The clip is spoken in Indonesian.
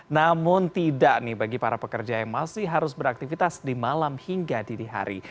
namun tidak nih bagi para pekerja yang masih harus beraktivitas di malam hingga dini hari